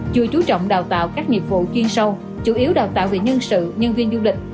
chưa chú trọng đào tạo các nghiệp vụ chuyên sâu chủ yếu đào tạo về nhân sự nhân viên du lịch